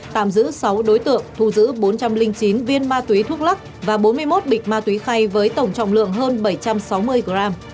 tạm giữ sáu đối tượng thu giữ bốn trăm linh chín viên ma túy thuốc lắc và bốn mươi một bịch ma túy khay với tổng trọng lượng hơn bảy trăm sáu mươi gram